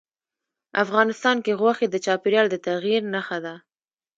افغانستان کې غوښې د چاپېریال د تغیر نښه ده.